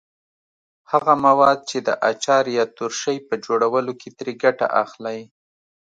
هغه مواد چې د اچار یا ترشۍ په جوړولو کې ترې ګټه اخلئ.